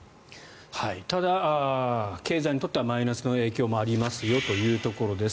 ただ、経済にとってはマイナスの影響もありますよというところです。